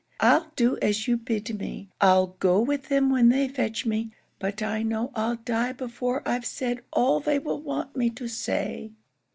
I'll do as you bid me; I'll go with them when they fetch me but I know I'll die before I've said all they will want me to say."